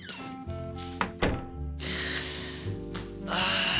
ああ。